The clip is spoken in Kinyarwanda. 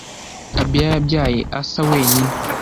Abiya yabyaye Asa wenyine